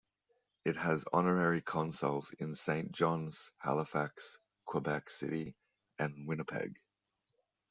It has Honorary Consuls in Saint John's, Halifax, Quebec City, and Winnipeg.